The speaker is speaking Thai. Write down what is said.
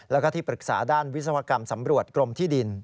แล้วก็ที่ปรึกษาด้านวิศวกรรมสำรวจกรมที่ดิน